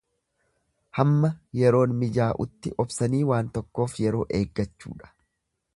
Hamma yeroon mijaa'utti obsanii waan tokkoof yeroo eeggachuudha.